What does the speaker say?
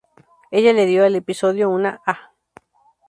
Ella le dio al episodio una A-.